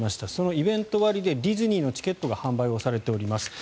イベント割でディズニーのチケットが販売されています。